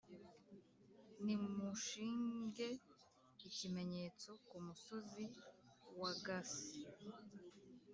Nimushinge ikimenyetso ku musozi w’agasi,